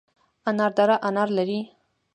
انار دره انار لري؟